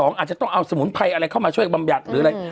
อาจจะต้องเอาสมุนไพรอะไรเข้ามาช่วยบำบัดหรืออะไร